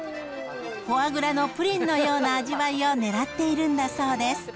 フォアグラのプリンのような味わいをねらっているんだそうです。